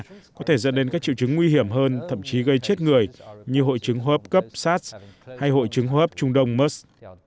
các loại virus corona có thể dẫn đến các triệu chứng nguy kịch thậm chí gây chết người như hội chứng hô hấp cấp sars hay hội chứng hô hấp trung đông mers